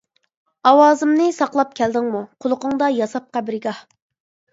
ئاۋازىمنى ساقلاپ كەلدىڭمۇ، قۇلىقىڭدا ياساپ قەبرىگاھ.